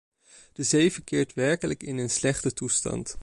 De zee verkeert werkelijk in een slechte toestand.